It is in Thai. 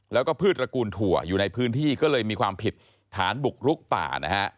แล้วก็พืชตระกูลถั่วอยู่ในพื้นที่ก็เลยมีความผิดฐานบุกรุกป่านะฮะ